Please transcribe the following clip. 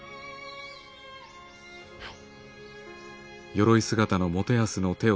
はい。